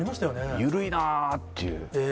緩いなっていう。